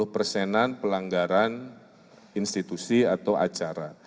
dua puluh persenan pelanggaran institusi atau acara